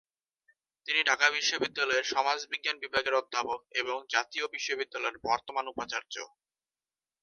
তিনি ঢাকা বিশ্ববিদ্যালয়ের সমাজবিজ্ঞান বিভাগের অধ্যাপক এবং জাতীয় বিশ্ববিদ্যালয়ের বর্তমান উপাচার্য।